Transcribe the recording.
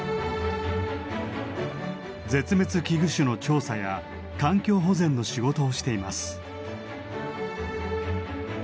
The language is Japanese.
絶滅危惧種の調査や環境保全の仕事をしています。